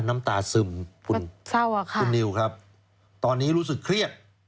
น้ำตาซึมคุณนิวครับตอนนี้รู้สึกเครียด